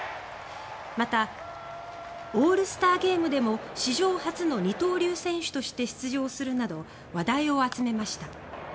また、オールスターゲームでも史上初の二刀流選手として出場するなど話題を集めました。